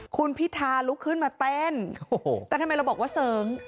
คุณพิธาลุกขึ้นมาเต้นแต่ทำไมเราบอกว่าเสริง